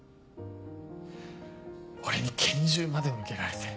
俺に拳銃まで向けられて。